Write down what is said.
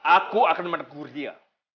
aku akan menegur dia